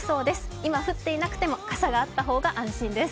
今降っていなくても傘があった方が安心です。